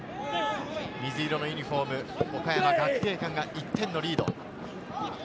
水色のユニホーム・岡山学芸館が１点のリード。